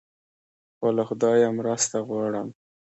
خو له خدایه مرسته غواړم.